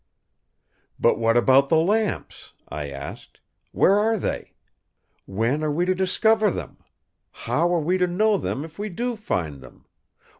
"'But what about the lamps?' I asked. 'Where are they? When are we to discover them? How are we to know them if we do find them?